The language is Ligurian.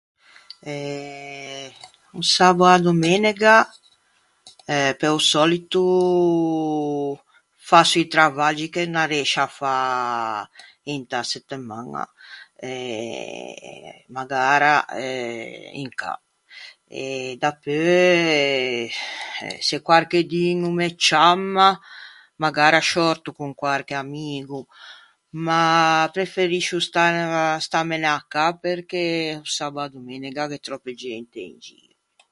Eh... o sabbo e a domenega eh pe-o sòlito fasso i travaggi che n'arriëscio à fâ inta settemaña... eh... magara eh in cà. E dapeu, eh, se quarchedun o me ciamma, magara sciòrto con quarche amigo, ma preferiscio stâmene stâmene à cà perché o sabbo e a domenega gh'é tròppe gente in gio.